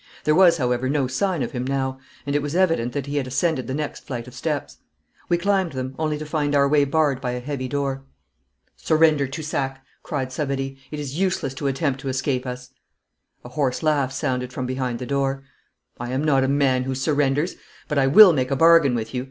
There was, however, no sign of him now, and it was evident that he had ascended the next flight of steps. We climbed them, only to find our way barred by a heavy door. 'Surrender, Toussac!' cried Savary. 'It is useless to attempt to escape us. A hoarse laugh sounded from behind the door. 'I am not a man who surrenders. But I will make a bargain with you.